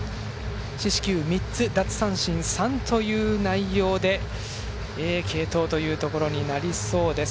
四死球３つ奪三振３という内容で継投というところになりそうです。